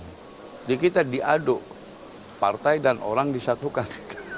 jadi kita diaduk partai dan orang disatukan